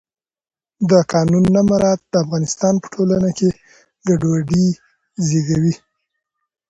د قانون نه مراعت د افغانستان په ټولنه کې ګډوډي زیږوي